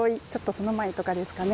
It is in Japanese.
その前ぐらいですかね。